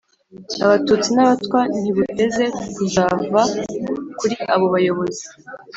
abatutsi, n'abatwa, ntibuteze kuzava kuri abo bayobozi